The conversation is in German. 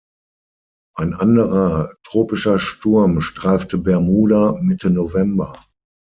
Ein anderer tropischer Sturm streifte Bermuda Mitte November.